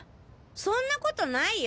そんなことないよ。